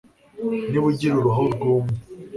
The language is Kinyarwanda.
Niba ugira uruhu rwumye